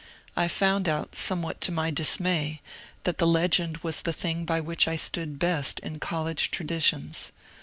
I found somewhat to my dismay that the legend was the thing by which I stood best in college traditions.